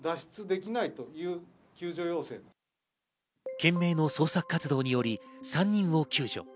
懸命の捜索活動により３人を救助。